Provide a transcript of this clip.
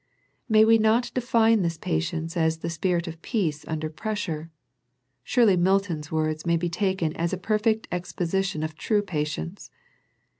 May we not define this patience as the spirit of peace under pressure. Surely Milton's words may be taken as a perfect ex position of true patience.